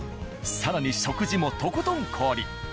更に食事もとことん氷。